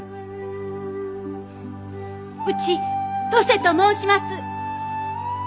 うち登勢と申します。